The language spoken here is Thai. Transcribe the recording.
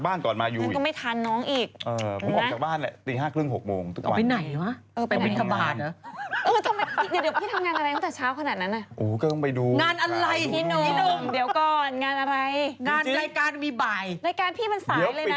เขาก็อยากให้แม่เมซเปลี่ยนชุดบ่อยไง